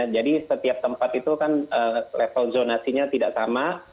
jadi setiap tempat itu kan level zonasinya tidak sama